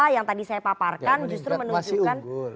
menaparkan justru menunjukkan